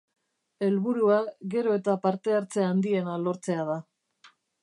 Helburua gero eta parte hartze handiena lortzea da.